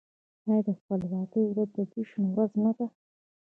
آیا د خپلواکۍ ورځ د جشن ورځ نه ده؟